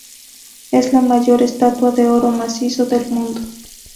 Es la mayor estatua de oro macizo del mundo.